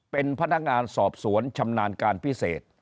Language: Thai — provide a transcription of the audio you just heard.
เป็นพนักงานสอบสวนชำนาญการพิเศษ